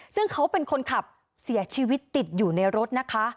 ซึ่งเขาเป็นคนขับเสียชีวิตติดอยู่ในรถนะคะ